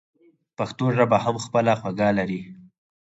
پښتو ژبه هم خپله خوږه لري.